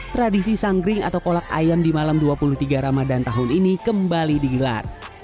tradisi sanggring atau kolak ayam di malam dua puluh tiga ramadan tahun ini kembali digelar